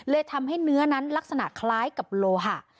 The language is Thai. ทำให้เนื้อนั้นลักษณะคล้ายกับโลหะ